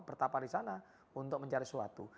bertapa di sana untuk mencari sesuatu